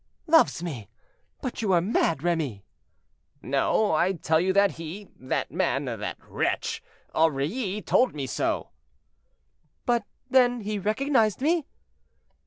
"Loves me! but you are mad, Remy." "No; I tell you that he—that man—that wretch, Aurilly, told me so." "But, then, he recognized me?"